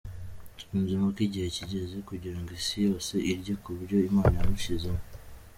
Yunzemo ko igihe kigeze kugira ngo isi yose irye ku byo Imana yamushyizemo.